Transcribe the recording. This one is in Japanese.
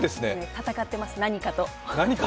戦ってます、何かと。